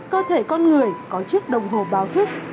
cơ thể con người có chiếc đồng hồ báo thức